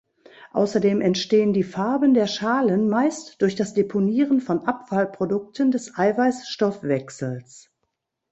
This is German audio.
Außerdem entstehen die Farben der Schalen meist durch das Deponieren von Abfallprodukten des Eiweiß-Stoffwechsels.